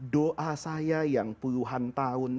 doa saya yang puluhan tahun